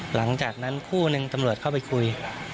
หลังจากนั้นคู่หนึ่งตำรวจเข้าไปคุย